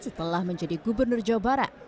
setelah menjadi gubernur jawa barat